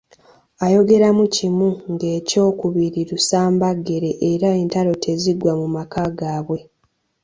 Ayogeramu kimu ng'ekyokubiri lusambaggere era entalo teziggwa mu maka gaabwe!